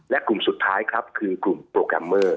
และกลุ่มสุดท้ายครับคือกลุ่มโปรแกรมเมอร์